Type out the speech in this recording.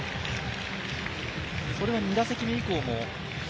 それが２打席目以降も？